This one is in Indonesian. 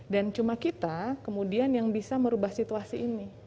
dan cuma kita kemudian yang bisa merubah situasi ini